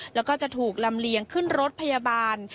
แล้วก็จะถูกลำเลียงขึ้นรถพยาบาล